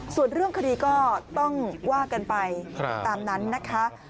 ส่วนเรื่องคดีก็ต้องว่ากันไปตามนั้นนะคะ